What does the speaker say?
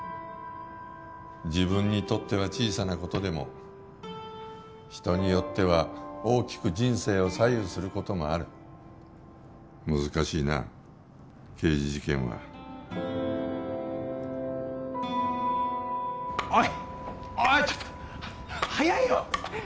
自分にとっては小さなことでも人によっては大きく人生を左右することがある難しいな刑事事件はおいちょっと速いよッ